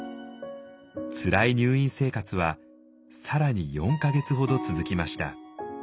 つらい入院生活は更に４か月ほど続きました。